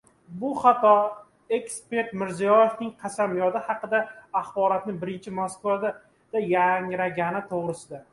Bu – xato. Ekspert Mirziyoyevning qasamyodi haqidagi axborot birinchi Moskvada yangragani to‘g‘risida